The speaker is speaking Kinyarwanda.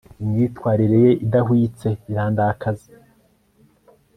imyitwarire ye idahwitse irandakaza